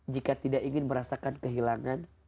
jika tidak ingin merasakan kehilangan